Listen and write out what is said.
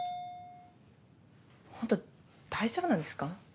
ホント大丈夫なんですか？